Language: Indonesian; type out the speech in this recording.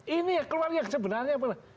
ini keluar yang sebenarnya